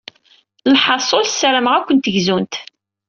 Lḥaṣul, ssarameɣ ad kem-gzunt.